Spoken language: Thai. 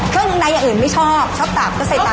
เครื่องในอย่างอื่นไม่ชอบชอบตากก็ใส่ตาก